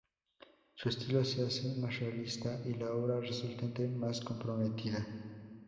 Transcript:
Su estilo se hace más realista y la obra resultante más comprometida.